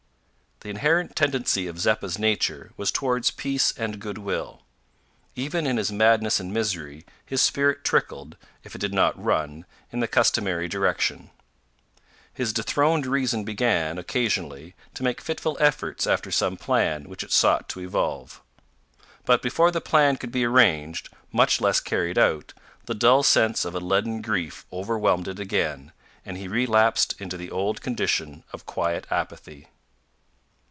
The inherent tendency of Zeppa's nature was towards peace and goodwill. Even in his madness and misery his spirit trickled, if it did not run, in the customary direction. His dethroned reason began, occasionally, to make fitful efforts after some plan which it sought to evolve. But before the plan could be arranged, much less carried out, the dull sense of a leaden grief overwhelmed it again, and he relapsed into the old condition of quiet apathy.